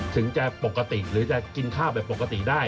ถึงจะปกติหรือจะกินข้าวแบบปกติได้